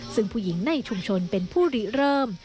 ซึ่งผู้หญิงในชุมชนเป็นผู้ริเริ่ม